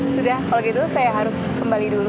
sudah kalau gitu saya harus kembali dulu